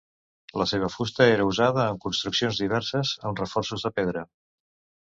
La seva fusta era usada en construccions diverses, amb reforços de pedra.